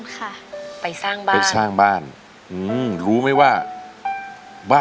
ขอบคุณครับ